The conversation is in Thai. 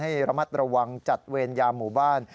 ให้ระมัดระวังจัดเวรยามหมู่บ้าน